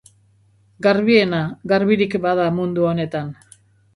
Garbiena, garbirik bada mundu honetan.